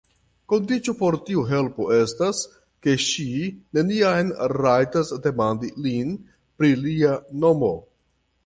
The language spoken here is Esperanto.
Kondiĉo por tiu helpo estas, ke ŝi neniam rajtas demandi lin pri lia nomo.